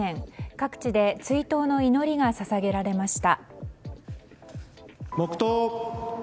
各地で追悼の祈りが捧げられました。